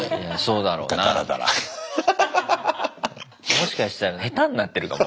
もしかしたら下手になってるかも。